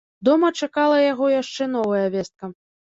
Дома чакала яго яшчэ новая вестка.